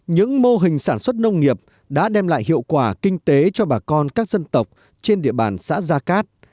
những mô hình sản xuất nông nghiệp đã đem lại hiệu quả kinh tế cho bà con các dân tộc trên địa bàn xã gia cát